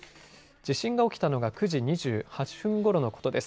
地震が起きたのが９時２８分ごろのことです。